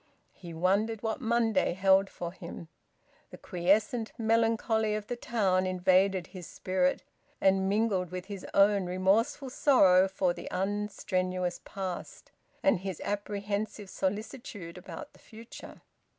He wondered what Monday held for him. The quiescent melancholy of the town invaded his spirit, and mingled with his own remorseful sorrow for the unstrenuous past, and his apprehensive solicitude about the future.